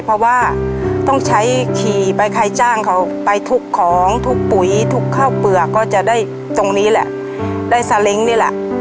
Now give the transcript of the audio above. เพราะว่าต้องใช้ขี่ไปใครจ้างเขาไปทุกของทุกปุ๋ยทุกข้าวเปลือกก็จะได้ตรงนี้แหละได้ซาเล้งนี่แหละ